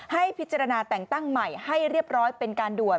ให้พิจารณาแต่งตั้งใหม่ให้เรียบร้อยเป็นการด่วน